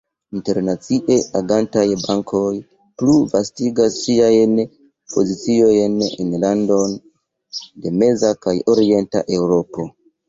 Internacie agantaj bankoj plu vastigas siajn poziciojn en landoj de meza kaj orienta Eŭropo.